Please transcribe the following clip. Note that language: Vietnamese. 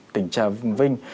tỉnh trà vinh